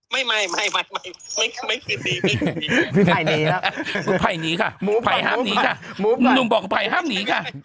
มุมหาบหนีหนุ่มบอกภัยห้ามหนี